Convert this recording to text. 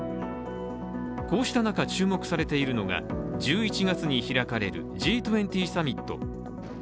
こうした中、注目されているのが１１月に開かれるＧ２０サミット。